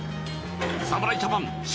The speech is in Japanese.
侍ジャパン祝！